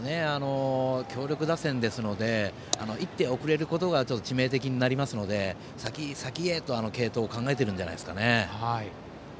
強力打線ですので一手遅れることが致命的になりますので先へ先へと継投を考えているんじゃないですかね。